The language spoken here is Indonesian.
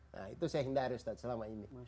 nah itu saya hindari ustadz selama ini